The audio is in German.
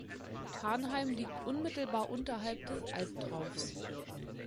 Thanheim liegt unmittelbar unterhalb des Albtraufs.